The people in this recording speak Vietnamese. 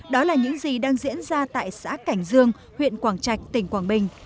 đó là những gì đang diễn ra tại xã cảnh dương huyện quảng trạch tỉnh quảng bình